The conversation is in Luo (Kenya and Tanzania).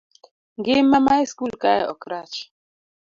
ngima ma e skul kae ok rach